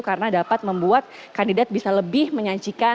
karena dapat membuat kandidat bisa lebih menyancikan